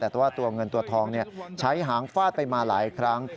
แต่ว่าตัวเงินตัวทองใช้หางฟาดไปมาหลายครั้ง